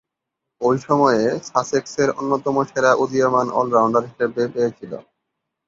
ঐ সময়ে সাসেক্সের অন্যতম সেরা উদীয়মান অল-রাউন্ডার হিসেবে পেয়েছিল।